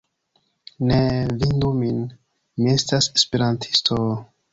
Neeee vundu min, mi estas Esperantisto...